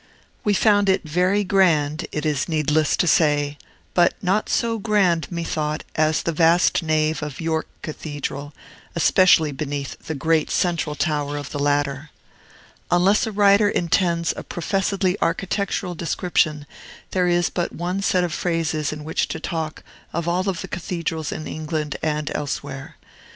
We found it very grand, it is needless to say, but not so grand, methought, as the vast nave of York Cathedral, especially beneath the great central tower of the latter. Unless a writer intends a professedly architectural description, there is but one set of phrases in which to talk of all the cathedrals in England and elsewhere.